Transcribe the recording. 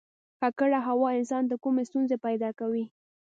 ککړه هوا انسان ته کومې ستونزې پیدا کوي